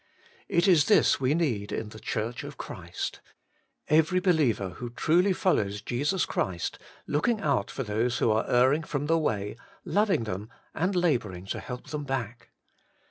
It is this we need in the Church of Christ, — every be liever who truly follows Jesus Christ look ing out for those who are erring from the way, loving them, and labouring to help them back.